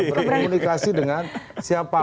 bisa berkomunikasi dengan siapapun